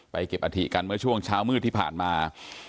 เก็บอาถิกันเมื่อช่วงเช้ามืดที่ผ่านมา